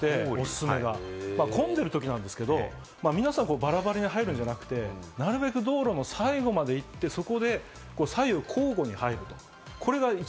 混んでるときなんですけど、皆さんバラバラに入るんじゃなくて、なるべく道路の最後まで行って、そこで左右交互に入る。